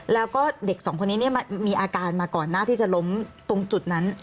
แล้วก็เด็กสองคนนี้มีอาการมาก่อนหน้าที่จะล้มตรงจุดนั้น